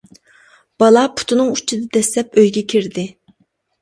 بالا پۇتىنىڭ ئۇچىدا دەسسەپ ئۆيگە كىردى.